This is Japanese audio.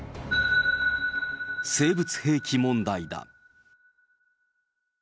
生物兵器問題だ。